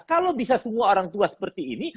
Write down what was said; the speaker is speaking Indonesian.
kalau bisa semua orang tua seperti ini